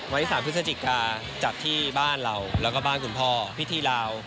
วันที่๓พฤศจิกาจัดที่บ้านเราแล้วก็บ้านคุณพ่อพิธีลาว